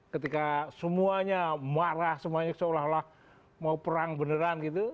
ketika semuanya marah semuanya seolah olah mau perang beneran gitu